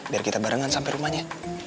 biar kita barengan sampai rumahnya